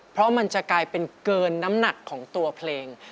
เพราะมันจะกลายเป็นเกินน้ำหนักของตัวเพลง